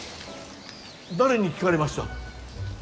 誰に聞かれました。